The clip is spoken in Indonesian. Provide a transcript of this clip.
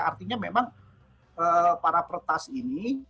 artinya memang para peretas ini